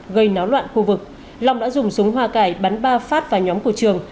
gây náo loạn khu vực long đã dùng súng hoa cải bắn ba phát vào nhóm của trường